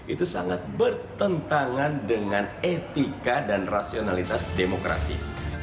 itu sangat bertentangan dengan etika dan rasionalitas demokrasi